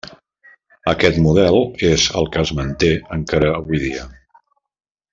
Aquest model és el que es manté encara avui dia.